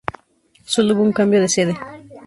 Sólo hubo un cambio de sede.